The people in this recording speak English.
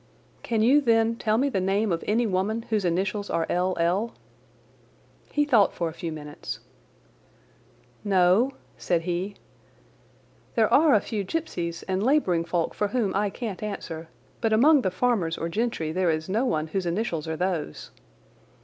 "Can you, then, tell me the name of any woman whose initials are L. L.?" He thought for a few minutes. "No," said he. "There are a few gipsies and labouring folk for whom I can't answer, but among the farmers or gentry there is no one whose initials are those.